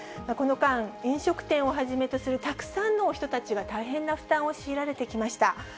この間、飲食店をはじめとするたくさんの人たちが大変な負担を強いられてきました。